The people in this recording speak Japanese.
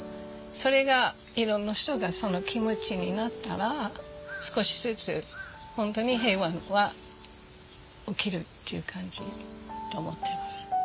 それがいろんな人がその気持ちになったら少しずつ本当に平和は起きるっていう感じと思ってます。